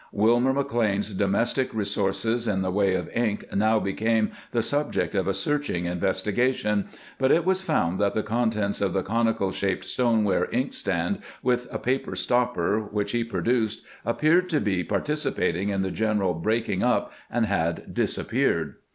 Wilmer Mc Lean's domestic resources in the way of ink now became the subject of a searching investigation, but it was found that the contents of the conical shaped stoneware ink stand with a paper stopper which he produced appeared to be participating in the general breaking up, and had disappeared.